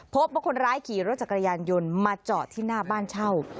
พบว่าคนร้ายขี่รถจักรยานยนต์มาจอดที่หน้าบ้านเช่า